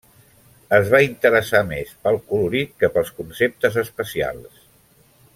Es va interessar més pel colorit que pels conceptes espacials.